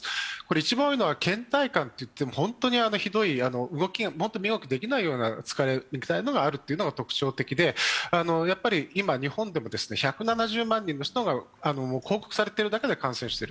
一番多いのはけん怠感といっても本当に身動きできないような疲れがあるというのが特徴的でやはり今、日本でも１７０万人の人が報告されてるだけで感染している。